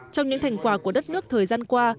trong những thành quả của đất nước thời gian qua